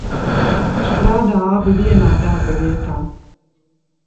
Strādā abi vienā darba vietā